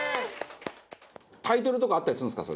タイトルとかあったりするんですか？